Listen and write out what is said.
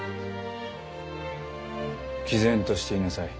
きぜんとしていなさい。